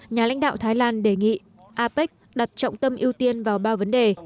nhà lãnh đạo thái lan đề nghị apec đặt trọng tâm ưu tiên vào ba vấn đề